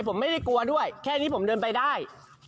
ผมไม่ได้กลัวด้วยแค่นี้ผมเดินไปได้